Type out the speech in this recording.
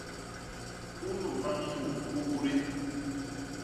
Unu mañ mut u hudi.